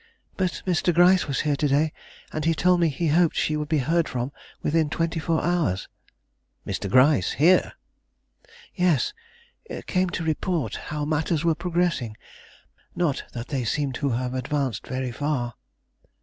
"But Mr. Gryce was here to day, and he told me he hoped she would be heard from within twenty four hours." "Mr. Gryce here!" "Yes; came to report how matters were progressing, not that they seemed to have advanced very far."